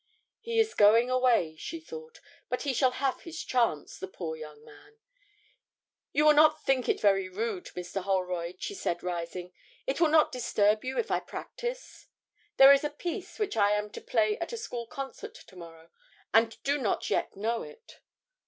'He is going away,' she thought; 'but he shall have his chance, the poor young man.' 'You will not think it very rude, Mr. Holroyd,' she said, rising: 'it will not disturb you if I practise? There is a piece which I am to play at a school concert to morrow, and do not yet know it.'